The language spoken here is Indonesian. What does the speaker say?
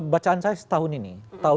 bacaan saya setahun ini